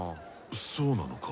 そうなのか？